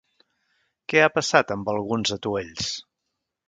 Què ha passat amb alguns atuells?